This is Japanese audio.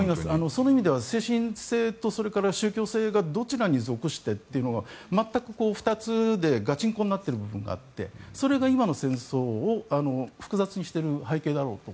その意味では精神性と宗教性がどちらに属してというのが全く２つでガチンコになっている部分があってそれが今の戦争を複雑にしている背景だろうと。